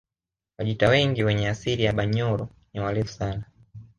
Wajita wengi wenye asili ya Banyoro ni warefu sana